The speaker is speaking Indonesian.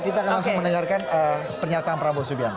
kita akan langsung mendengarkan pernyataan prabowo subianto